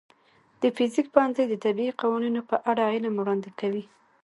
د فزیک پوهنځی د طبیعي قوانینو په اړه علم وړاندې کوي.